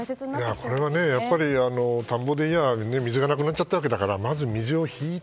これは田んぼでいえば水がなくなったわけだからまずは水を引いて。